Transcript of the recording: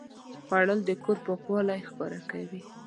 خوړل د کور پاکوالی ښکاره کوي